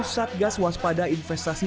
satgas waspada investasi